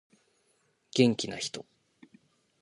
元気な人